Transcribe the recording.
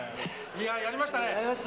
「いややりましたね」